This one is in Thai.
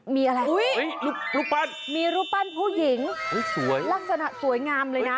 มีอะไรรูปปั้นมีรูปปั้นผู้หญิงสวยลักษณะสวยงามเลยนะ